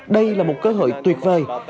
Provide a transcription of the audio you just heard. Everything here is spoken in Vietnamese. đây là một cơ hội tuyệt vời